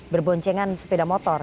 berboncengan sepeda motor